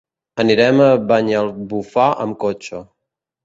Anirem a Banyalbufar amb cotxe.